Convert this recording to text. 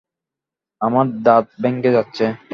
আমার দাঁত ভেঙ্গে যাচ্ছে।